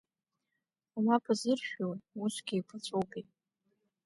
Ауапа зыршәуеи, усгьы еиқәаҵәоупеи?